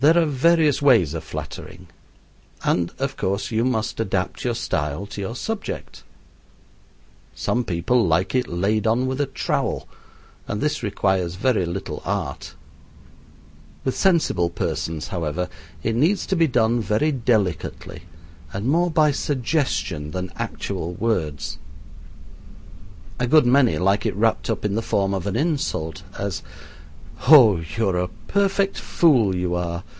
There are various ways of flattering, and, of course, you must adapt your style to your subject. Some people like it laid on with a trowel, and this requires very little art. With sensible persons, however, it needs to be done very delicately, and more by suggestion than actual words. A good many like it wrapped up in the form of an insult, as "Oh, you are a perfect fool, you are.